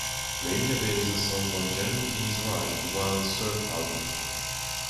Waimea Bay is a song on Jan and Dean's Ride The Wild Surf album.